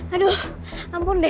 aduh ampun deh